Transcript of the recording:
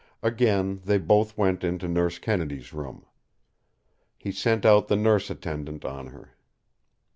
Again they both went into Nurse Kennedy's room. He sent out the nurse attendant on her.